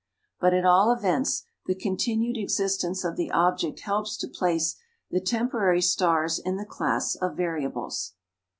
But at all events, the continued existence of the object helps to place the temporary stars in the class of variables.